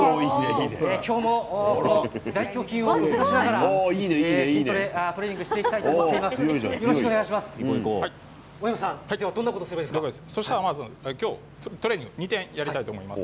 今日も大胸筋を動かしながらトレーニングしていきたいと思います。